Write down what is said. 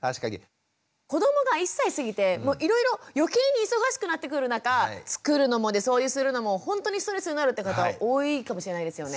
子どもが１歳過ぎていろいろ余計に忙しくなってくる中作るのも掃除するのもほんとにストレスになるって方多いかもしれないですよね。